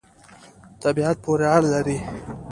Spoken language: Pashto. طبعیت پوری اړه لری